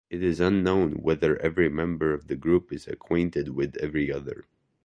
It is unknown whether every member of the group is acquainted with every other.